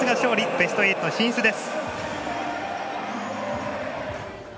ベスト８進出です。